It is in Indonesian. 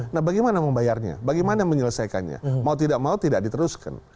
nah bagaimana membayarnya bagaimana menyelesaikannya mau tidak mau tidak diteruskan